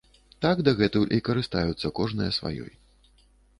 Так дагэтуль і карыстаюцца кожная сваёй.